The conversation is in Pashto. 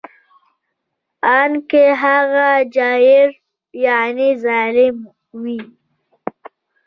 ان که هغه جائر یعنې ظالم وي